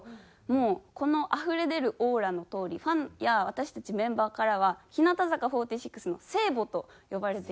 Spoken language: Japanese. もうこのあふれ出るオーラのとおりファンや私たちメンバーからは日向坂４６の聖母と呼ばれています。